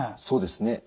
そうですね。